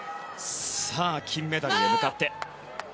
さあ、金メダルへ向かって。